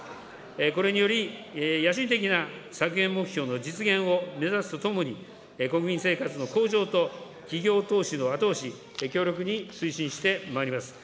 これにより、野心的な削減目標の実現を目指すとともに、国民生活の向上と企業投資の後押し、強力に推進してまいります。